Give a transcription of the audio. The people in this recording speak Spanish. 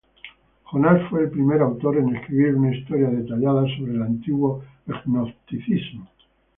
Jonas fue el primer autor en escribir una historia detallada sobre el antiguo gnosticismo.